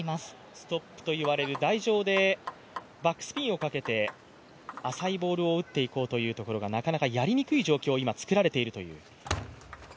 ストップと言われる台上でバックスピンをかけて浅いボールを打っていこうというところがなかなかやりにくい状況を今、作られているという。